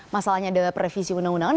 masalahnya adalah revisi undang undang